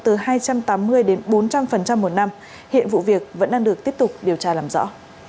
từ hai trăm tám mươi đến bốn trăm linh một năm hiện vụ việc vẫn đang được tiếp tục điều tra làm rõ